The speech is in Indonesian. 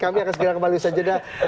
kami akan segera kembali bersama sama